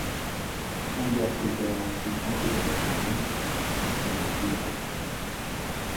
Undertaker a ensuite tenté d'attaquer Vince, mais celui-ci est parti.